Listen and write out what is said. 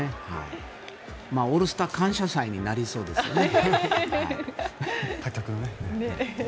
オールスター感謝祭になりそうですね。